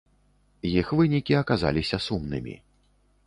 Іх вынікі аказаліся сумнымі.